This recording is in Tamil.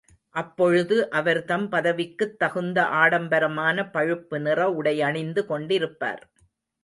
அப்பொழுது அவர்தம் பதவிக்குத் தகுந்த ஆடம்பரமான பழுப்புநிற உடையணிந்து கொண்டிருப்பார்.